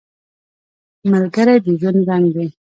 ملګری د ژوند رنګ دی